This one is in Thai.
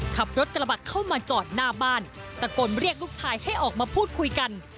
ขับรถกระบะเข้ามาจอดหน้าบ้านตะโกนเรียกลูกชายให้ออกมาพูดคุยกัน